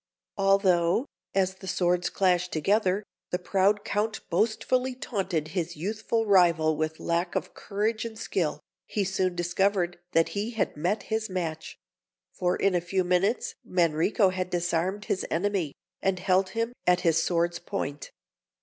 Although, as the swords clashed together, the proud Count boastfully taunted his youthful rival with lack of courage and skill, he soon discovered that he had met his match; for in a few minutes Manrico had disarmed his enemy, and held him at his sword's point.